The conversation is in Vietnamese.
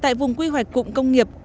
tại vùng quy hoạch cụm công nghiệp